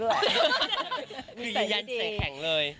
คือยิ้นแอนสอยแข็งเลย